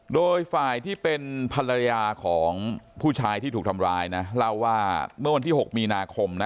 โดยฝ่ายที่เป็นภรรยาของผู้ชายที่ถูกทำร้ายนะเล่าว่าเมื่อวันที่๖มีนาคมนะ